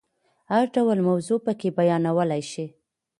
هر ډول موضوع پکې بیانولای شي.